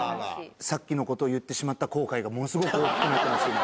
さっきのことを言ってしまった後悔がものすごく大きくなっています、今。